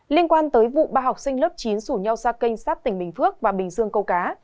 liên quan tới vụ ba học sinh lớp chín rủ nhau ra kênh sát tỉnh bình phước và bình dương câu cá